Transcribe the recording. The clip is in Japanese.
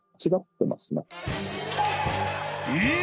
［えっ！？